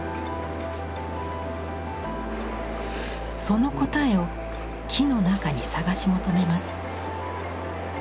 その答えを木の中に探し求めます。